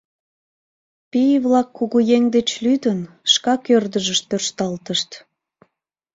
Пий-влак, кугыеҥ деч лӱдын, шкак ӧрдыжыш тӧршталтышт.